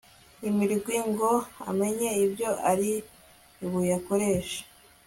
imirwi ngo amenye ibyo aribuyakoreshe